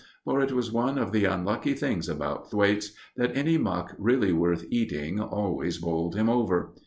For it was one of the unlucky things about Thwaites that any muck really worth eating always bowled him over.